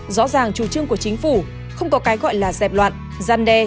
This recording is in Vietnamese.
rõ ràng chủ trương của chính phủ không có cái gọi là dẹp loạn gian đe